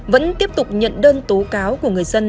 vẫn tiếp tục nhận đơn tố cáo của người dân